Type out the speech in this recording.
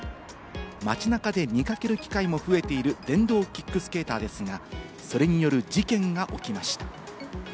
街中で見掛ける機会も増えている電動キックスケーターですが、それによる事件が起きました。